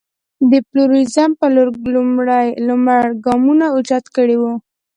د پلورالېزم په لور لومړ ګامونه اوچت کړي وو.